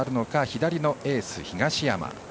左のエース東山。